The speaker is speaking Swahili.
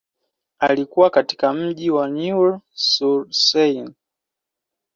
Alikua katika mji wa Neuilly-sur-Seine.